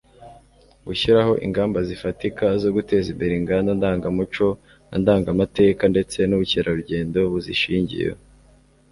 gushyiraho ingamba zifatika zo guteza imbere inganda ndangamuco na ndangamateka ndetse n'ubukerarugendo buzishingiyeho